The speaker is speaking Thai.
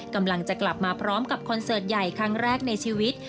กำลังจะกลับมาพร้อมกับคอนเสิร์ตใหญ่ครั้งแรกในชีวิต